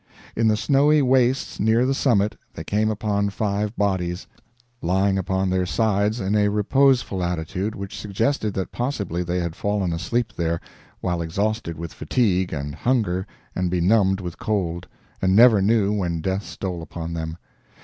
In the snowy wastes near the summit they came upon five bodies, lying upon their sides in a reposeful attitude which suggested that possibly they had fallen asleep there, while exhausted with fatigue and hunger and benumbed with cold, and never knew when death stole upon them.